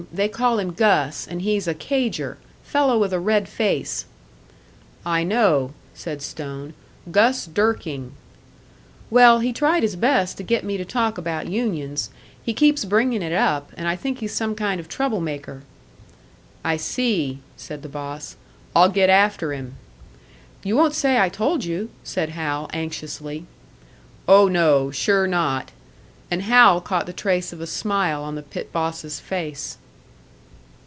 They call him Gus and he's a 'cager.' Fellow with a red face." "I know," said Stone "Gus Durking." "Well, he tried his best to get me to talk about unions. He keeps bringing it up, and I think he's some kind of trouble maker." "I see," said the boss. "I'll get after him." "You won't say I told you," said Hal, anxiously. "Oh, no sure not." And Hal caught the trace of a smile on the pit boss's face.